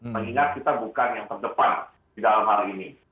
mengingat kita bukan yang terdepan di dalam hal ini